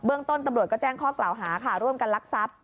ต้นตำรวจก็แจ้งข้อกล่าวหาค่ะร่วมกันลักทรัพย์